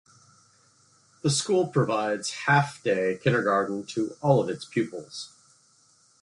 The school provides half day kindergarten to all its pupils.